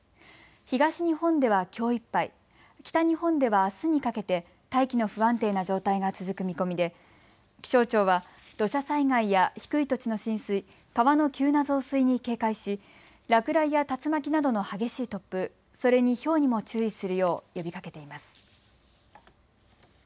東日本では、きょういっぱい、北日本ではあすにかけて大気の不安定な状態が続く見込みで気象庁は土砂災害や低い土地の浸水、川の急な増水に警戒し落雷や竜巻などの激しい突風、それにひょうにも注意するよう呼びかけています。